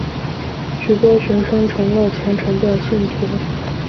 许多学生成了虔诚的信徒。